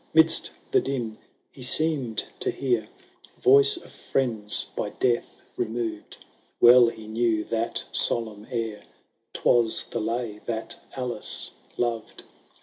'Midst the din, he seemed to hear Voice of friends, by death removed ;— Well he knew that solemn air, 'Twas the lay that Alice loved.